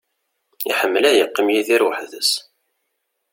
Iḥemmel ad yeqqim Yidir weḥd-s.